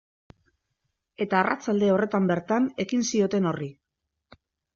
Eta arratsalde horretan bertan ekin zioten horri.